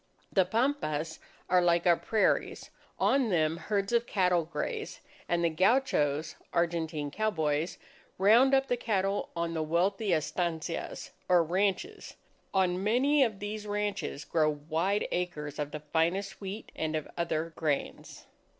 The pampas are like our prairies. On them herds of cattle graze; and the gauchos Argentine cowboys, round up the cattle on the wealthy estancias or ranches. On many of these ranches, grow wide acres of the finest wheat and of other grains.